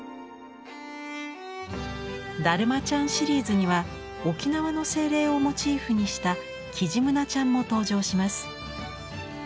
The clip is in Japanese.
「だるまちゃん」シリーズには沖縄の精霊をモチーフにしたキジムナちゃんも登場します。